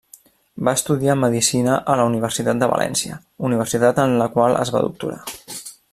Va estudiar medicina a la Universitat de València, universitat en la qual es va doctorar.